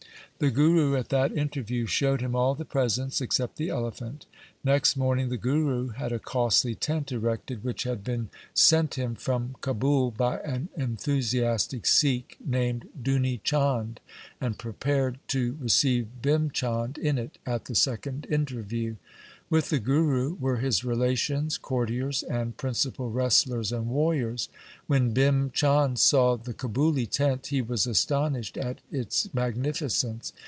The Guru at that interview showed him all the presents, except the elephant. Next morning the Guru had a costly tent erected which had been sent him from Kabul by an enthusi astic Sikh named Duni Chand, and prepared to receive Bhim Chand in it at the second interview. With the Guru were his relations, courtiers, and principal wrestlers and warriors. When Bhim Chand saw the Kabuli tent he was astonished at its magnificence.